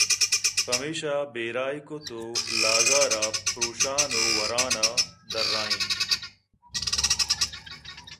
پمیشا بیرہ ئِے کُت ءُ لاگءَرا پرٛوشانءُوَرَانءَدرّائینت